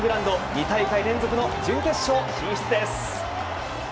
２大会連続の準決勝進出です。